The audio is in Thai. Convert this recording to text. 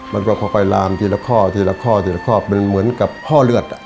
มันก็พอไปลามทีละข้อทีละข้อทีละข้อมันเหมือนกับข้อเลือด